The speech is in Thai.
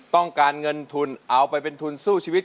ต้องการเงินทุนเอาไปเป็นทุนสู้ชีวิต